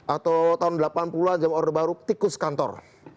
atau tahun delapan puluh an jam orde baru tikus kantor